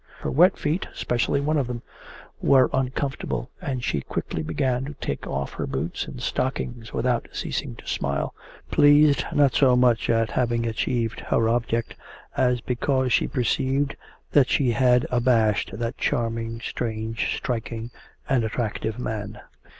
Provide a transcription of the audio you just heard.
Her wet feet, especially one of them, were uncomfortable, and she quickly began to take off her boots and stockings without ceasing to smile, pleased not so much at having achieved her object as because she perceived that she had abashed that charming, strange, striking, and attractive man.